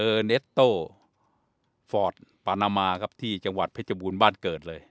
เนสโต้ฟอร์ดปานามาครับที่จังหวัดเพชรบูรณ์บ้านเกิดเลย